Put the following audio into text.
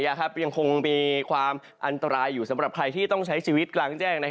ยังคงมีความอันตรายอยู่สำหรับใครที่ต้องใช้ชีวิตกลางแจ้ง